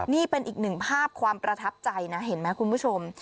นี่เป็นอีกหนึ่งภาพความประทับใจนะเห็นไหมคุณผู้ชม